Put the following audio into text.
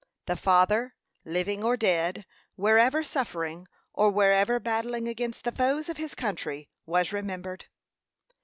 The father, living or dead, wherever suffering, or wherever battling against the foes of his country, was remembered.